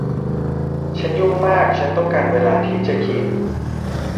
ฉันยุ่งมากฉันต้องการเวลาที่จะคิด